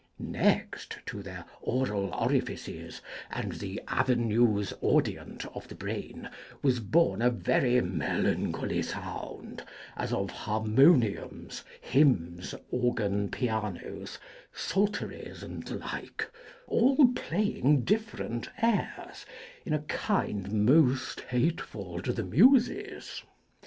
Next, to their aural orifices, and the avenues audient of the brain, was borne a very melancholy sound as of harmoniums, hymns, organ pianos, psalteries, and the like, all playing different airs, in a kind most hateful to the Muses.